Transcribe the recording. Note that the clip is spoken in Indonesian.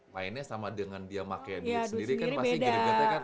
mainnya sama dengan dia pakai duit sendiri kan pasti gede gede kan